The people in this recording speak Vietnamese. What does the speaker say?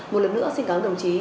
một lần nữa xin cảm ơn đồng chí